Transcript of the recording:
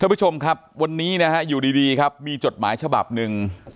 ผู้ชมครับวันนี้นะฮะอยู่ดีครับมีจดหมายฉบับหนึ่ง